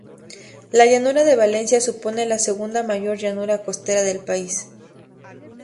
La llanura de Valencia supone la segunda mayor llanura costera del país.